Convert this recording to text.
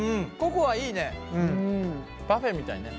パフェみたいね。